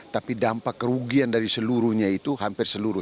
tapi dampak kerugian dari seluruhnya itu hampir seluruh